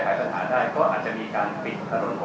ให้รถเถิดทางเดียวนะครับ